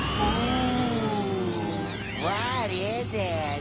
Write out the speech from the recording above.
ん。